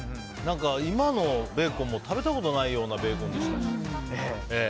今のベーコンも食べたことないようなベーコンでした。